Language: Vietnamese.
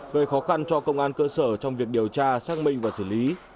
gây khó khăn cho công an cơ sở trong việc điều tra xác minh và xử lý